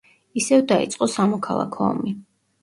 ისევ დაიწყო სამოქალაქო ომი.